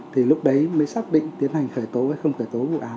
thì lúc đấy mới xác định tiến hành khởi tố hay không khởi tố vụ án